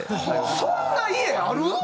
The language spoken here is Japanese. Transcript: そんな家ある？